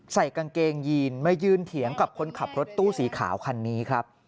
ใส่กางเกงยีนมายืนเถียงกับคนขับรถตู้สีขาวคันนี้ครับ